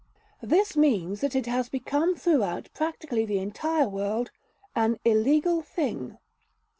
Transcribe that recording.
This means that it has become throughout practically the entire world ... an illegal thing.